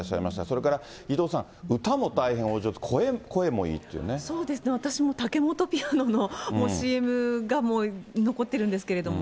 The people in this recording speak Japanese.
それから伊藤さん、歌も大変お上そうですね、私もタケモトピアノのＣＭがもう残ってるんですけれども、